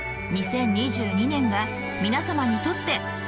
２０２２年が皆様にとって。